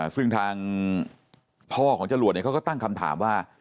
ซึ่งทางพ่อของจรวดเขาก็ตั้งคำถามว่า